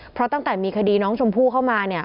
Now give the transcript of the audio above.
เพราะตั้งแต่มีคดีน้องชมพู่เข้ามาเนี่ย